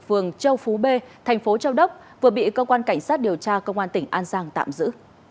phường châu phú b thành phố châu đốc vừa bị cơ quan cảnh sát điều tra công an tỉnh an giang tạm giữ